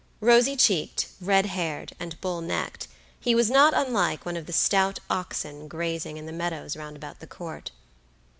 Rosy cheeked, red haired, and bull necked, he was not unlike one of the stout oxen grazing in the meadows round about the Court.